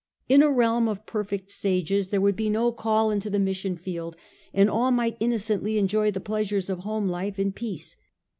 In a realm of perfect sages there would be no call into the mission field, and all might innocently enjoy the pleasures of home life in peace.